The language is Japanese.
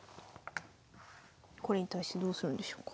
これに対してどうするんでしょうか。